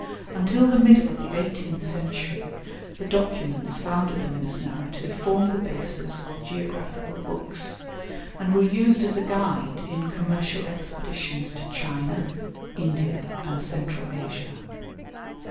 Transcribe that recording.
Until the middle of the eighteenth century, the documents founded on this narrative formed the basis of geographical books, and were used as a guide in commercial expeditions to China, India, and Central Asia.